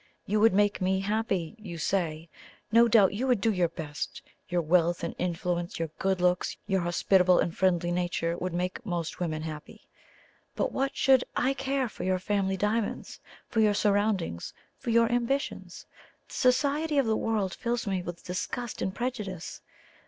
You would make me happy, you say. No doubt you would do your best your wealth and influence, your good looks, your hospitable and friendly nature would make most women happy. But what should I care for your family diamonds? for your surroundings? for your ambitions? The society of the world fills me with disgust and prejudice.